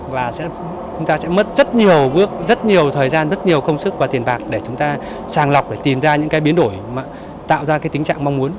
và chúng ta sẽ mất rất nhiều bước rất nhiều thời gian rất nhiều công sức và tiền bạc để chúng ta sàng lọc để tìm ra những cái biến đổi mà tạo ra cái tính trạng mong muốn